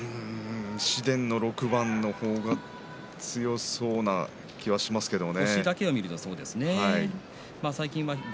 紫雷の６番の方が強そうな気がしますけどもね。